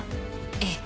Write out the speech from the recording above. ええ。